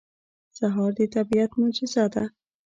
سهار د طبیعت معجزه ده.